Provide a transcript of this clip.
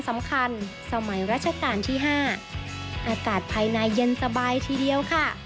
อากาศภายในเย็นสบายทีเดียวค่ะ